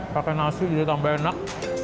pakai nasi jadi tambah enak